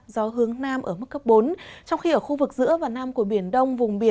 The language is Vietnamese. gió hướng nam ở mức cấp bốn trong khi ở khu vực giữa và nam của biển đông